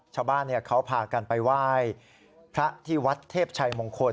ชาวบ้านเขาพากันไปไหว้พระที่วัดเทพชัยมงคล